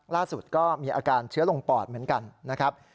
ล่าสุดก็มีอาการเชื้อลงปอดเหมือนกันนะครับ